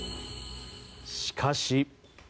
しかし。